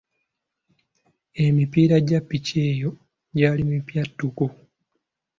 Emipiira gya ppiki eyo gyali mipya ttuku.